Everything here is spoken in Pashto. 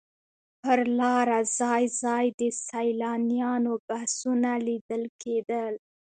پر لاره ځای ځای د سیلانیانو بسونه لیدل کېدل.